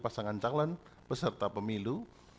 pasangan calon peserta pemilu